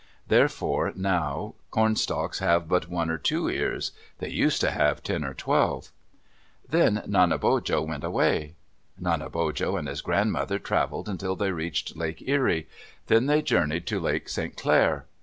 Therefore now cornstalks have but one or two ears. They used to have ten or twelve. Then Nanebojo went away. Nanebojo and his grandmother traveled until they reached Lake Erie. Then they journeyed to Lake St. Clair.